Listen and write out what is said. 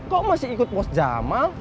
kok masih ikut bos jamal